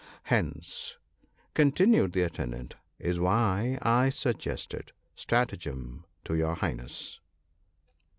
Hence," continued the atten dant, " is why I suggested stratagem to your highness."